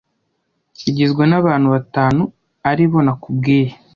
igizwe n abantu batanu aribo nakubwiye